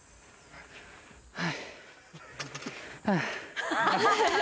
はい。